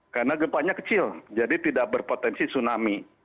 karena gempatnya kecil jadi tidak berpotensi tsunami